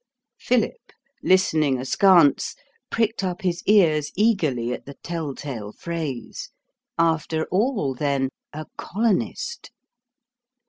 (Philip, listening askance, pricked up his ears eagerly at the tell tale phrase; after all, then, a colonist!)